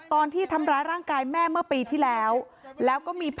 ตอนที่ทำร้ายร่างกายแม่เมื่อปีที่แล้วแล้วก็มีพ่อ